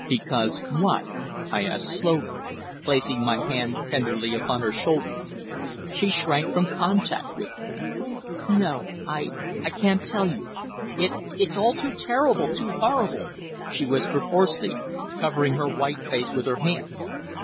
"Because what?" I asked slowly, placing my hand tenderly upon her shoulder. She shrank from contact with me. "No. I I can't tell you. It it's all too terrible, too horrible!" she whispered hoarsely, covering her white face with her hands.